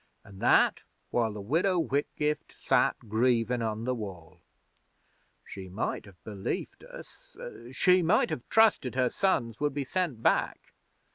An' that while the Widow Whitgift sat grievin' on the Wall. She might have belieft us she might have trusted her sons would be sent back!